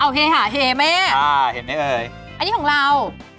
เอ้าฮีหาเฮ่มั้ยอันนี้ของเรา